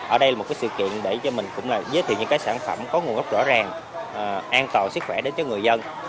ở đây là một sự kiện để cho mình cũng là giới thiệu những sản phẩm có nguồn gốc rõ ràng an toàn sức khỏe đến cho người dân